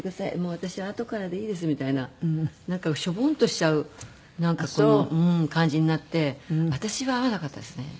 私はあとからでいいですみたいななんかしょぼんとしちゃう感じになって私は合わなかったですね。